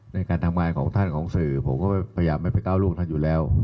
โนยทธรีก็มีกวารบอกก็มีใหม่อยู่แล้ว